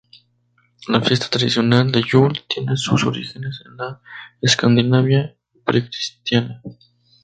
La fiesta tradicional de Yule tiene sus orígenes en la Escandinavia precristiana.